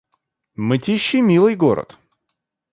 Мытищи — милый город